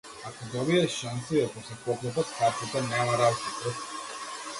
Ако добиеш шанса и ако се поклопат картите, нема разлика.